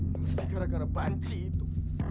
pasti gara gara banci itu